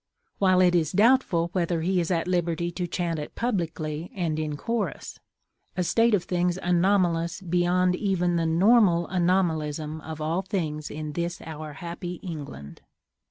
_" while it is doubtful whether he is at liberty to chant it publicly and in chorus—a state of things anomalous beyond even the normal anomalism of all things in this our happy England.